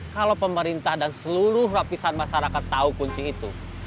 kalau pemerintah dan seluruh lapisan masyarakat tahu kunci itu